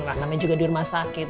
namanya juga di rumah sakit